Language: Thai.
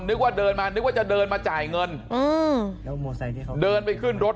นึกว่าเดินมานึกว่าจะเดินมาจ่ายเงินอืมเดินไปขึ้นรถ